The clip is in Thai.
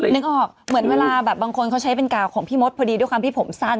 นึกออกเหมือนเวลาแบบบางคนเขาใช้เป็นกาวของพี่มดพอดีด้วยความที่ผมสั้น